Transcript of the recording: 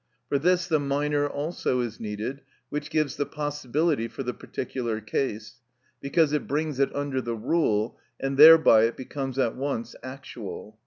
For this the minor also is needed, which gives the possibility for the particular case, because it brings it under the rule, and thereby it becomes at once actual.